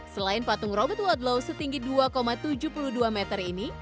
selain patung robert wadlow setinggi dua tujuh puluh dua meter ini